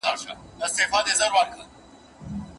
د ميرمنې او خاوند تر منځ د عدالت تفصیلي بحث څه دی؟